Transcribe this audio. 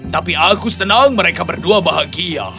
tapi aku senang mereka berdua bahagia